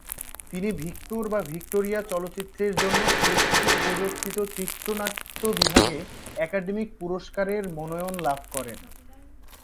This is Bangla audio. তিনি "ভিক্টর/ভিক্টোরিয়া" চলচ্চিত্রের জন্য শ্রেষ্ঠ উপযোগকৃত চিত্রনাট্য বিভাগে একাডেমি পুরস্কারের মনোনয়ন লাভ করেন।